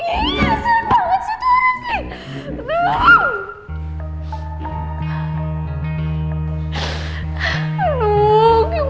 iiiih seneng banget sih itu orang sih